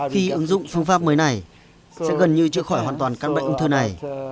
khi ứng dụng phương pháp mới này sẽ gần như chữa khỏi hoàn toàn căn bệnh ung thư này